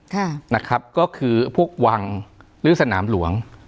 ค่ะนะครับก็คือพวกวังหรือสนามหลวง